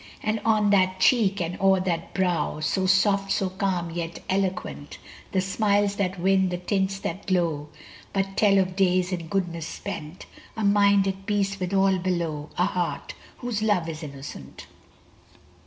And on that cheek, and o'er that brow, So soft, so calm, yet eloquent, The smiles that win, the tints that glow, But tell of days in goodness spent, A mind at peace with all below, A heart whose love is innocent!